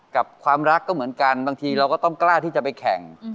กับความรักก็เหมือนกันบางทีเราก็ต้องกล้าที่จะไปแข่ง